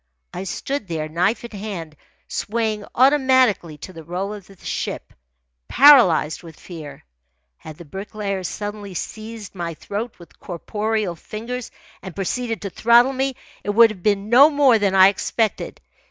I stood there, knife in hand, swaying automatically to the roll of the ship, paralysed with fear. Had the Bricklayer suddenly seized my throat with corporeal fingers and proceeded to throttle me, it would have been no more than I expected.